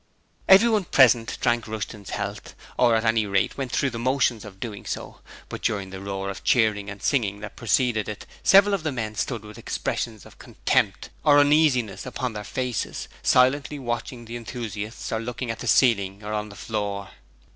Everyone present drank Rushton's health, or at any rate went through the motions of doing so, but during the roar of cheering and singing that preceded it several of the men stood with expressions of contempt or uneasiness upon their faces, silently watching the enthusiasts or looking at the ceiling or on the floor.